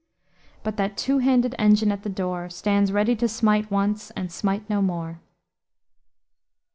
"But that two handed engine at the door Stands ready to smite once and smite no more."